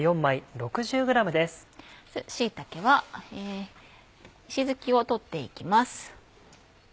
椎茸は石づきを取っていきます。